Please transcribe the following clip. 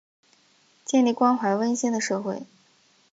建立关怀温馨的社会